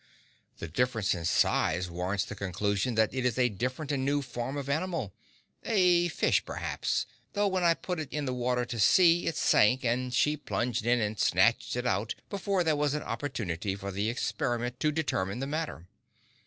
The difference in size warrants the conclusion that it is a different and new kind of animal—a fish, perhaps, though when I put it in the water to see, it sank, and she plunged in and snatched it out before there was opportunity for the experiment to determine the matter.